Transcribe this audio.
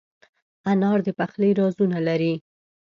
انا د پخلي رازونه لري